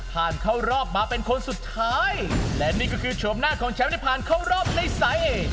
เข้ารอบมาเป็นคนสุดท้ายและนี่ก็คือโฉมหน้าของแชมป์ที่ผ่านเข้ารอบในสายเอ